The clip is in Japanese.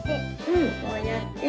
うんこうやって。